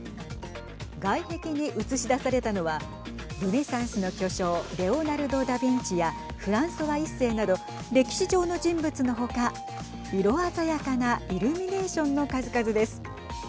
外壁に映し出されたのはルネサンスの巨匠レオナルド・ダ・ヴィンチやフランソワ１世など歴史上の人物のほか色鮮やかなイルミネーションの数々です。